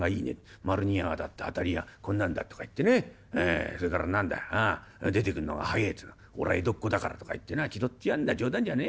丸に矢が当たって当たり屋こんなんだ』とか言ってそれから何だ『出てくんのが早え』とか俺は江戸っ子だからとか言ってな気取ってやんだ冗談じゃねえ